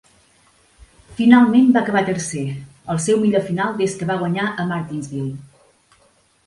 Finalment va acabar tercer; el seu millor final des que va guanyar a Martinsville.